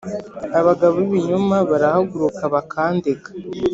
Abagabo b’ibinyoma barahaguruka, bakandega